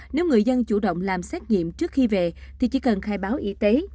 nếu người dân chủ động làm xét nghiệm trước khi về thì chỉ cần khai báo y tế